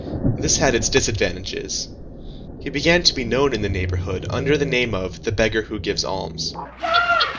This had its disadvantages. He began to be known in the neighborhood under the name of the beggar who gives alms.